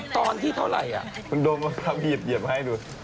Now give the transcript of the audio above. ตอนที่เท่าไหร่อ่ะมันโดมมาพับหยิบเหยียบให้ดู